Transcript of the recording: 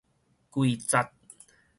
整節